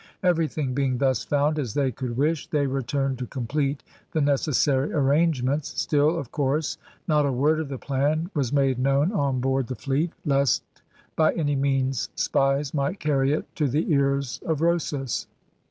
Everything being thus found as they could wish, they returned to complete the necessary arrangements. Still, of course, not a word of the plan was made known on board the fleet, lest by any means spies might carry it to the ears of Rosas.